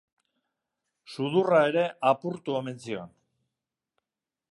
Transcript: Sudurra ere apurtu omen zion.